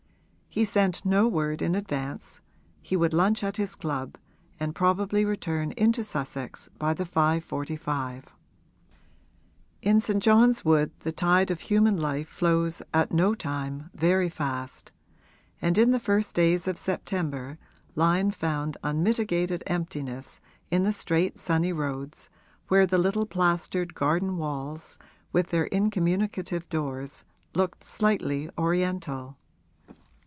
He sent no word in advance; he would lunch at his club and probably return into Sussex by the 5.45. In St. John's Wood the tide of human life flows at no time very fast, and in the first days of September Lyon found unmitigated emptiness in the straight sunny roads where the little plastered garden walls, with their incommunicative doors, looked slightly Oriental.